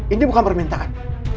ini bukan permintaan